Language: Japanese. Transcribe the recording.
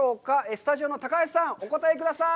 スタジオの高橋さん、お答えください。